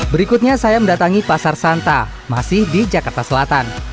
berikutnya saya mendatangi pasar santa masih di jakarta selatan